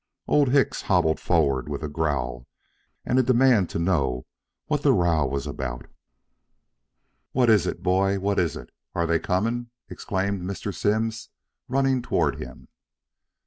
Old Hicks hobbled forward with a growl and a demand to know what the row was about. "What is it, boy? What is it? Are they coming!" exclaimed Mr. Simms, running toward him.